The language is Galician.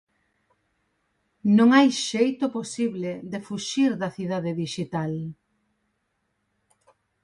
Non hai xeito posible de fuxir da cidade dixital.